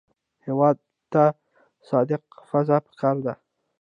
هېواد ته صادق قضا پکار ده